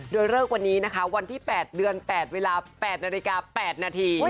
โดยเลิกวันนี้นะคะวันที่๘เดือน๘เวลา๘นาฬิกา๘นาที